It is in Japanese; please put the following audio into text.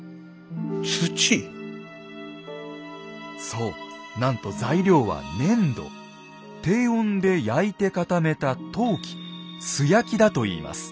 そうなんと材料は低温で焼いて固めた陶器素焼きだといいます。